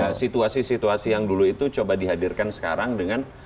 ya situasi situasi yang dulu itu coba dihadirkan sekarang dengan